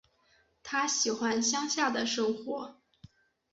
她喜欢乡下的生活